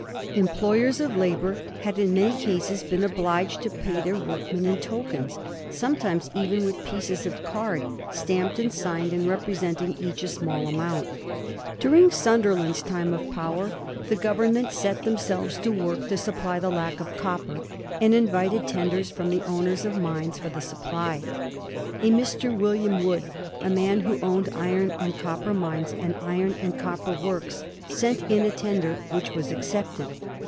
Employers of labour had in many cases been obliged to pay their workmen in tokens ; sometimes even with pieces of card, stamped and signed, and representing each a small amount. During Sunderland's time of power, the Government set themselves to work to supply the lack of copper, and invited tenders fi'om the owners of mines for the supply. A Mr. William Wood, a man who owned iron and copper mines, and iron and copper works, sent in a tender which was accepted.